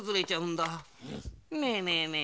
ねえねえねえ